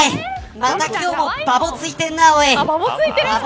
また今日もバボついてんなおい。